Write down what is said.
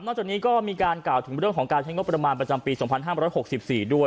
จากนี้ก็มีการกล่าวถึงเรื่องของการใช้งบประมาณประจำปี๒๕๖๔ด้วย